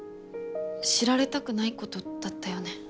知られたくない事だったよね。